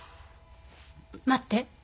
待って。